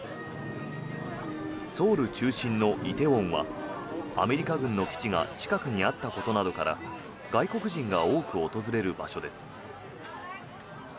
ソウル中心の梨泰院はアメリカ軍の基地が近くにあったことなどから外国人が多く訪れる場所です。